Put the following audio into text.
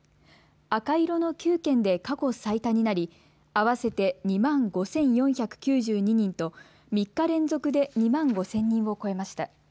赤色の９県で過去最多になり合わせて２万５４９２人と３日連続で２万５０００人を超えました。